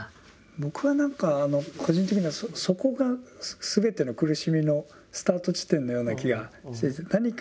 僕は何か個人的にはそこがすべての苦しみのスタート地点のような気がしていてどう思われますか？